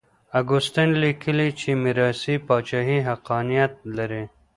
اګوستين ليکي چي ميراثي پاچاهي حقانيت لري.